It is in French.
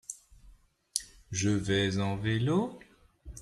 Je vais en vélo.